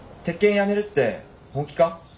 やめるって本気か？